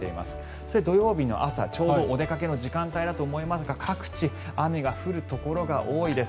そして土曜日の朝ちょうどお出かけの時間帯だと思いますが各地雨が降るところが多いです。